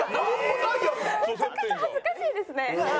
めちゃくちゃ恥ずかしいですね。